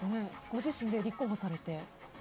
ご自身で立候補されて？